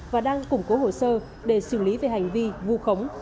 và đang củng cố hồ sơ để xử lý về hành vi vu khống